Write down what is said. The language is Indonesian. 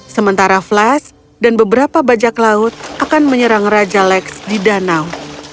sementara flash dan beberapa bajak laut akan menyerang raja lex di danau